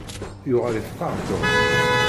Yuɣal yefqeɛ Tom.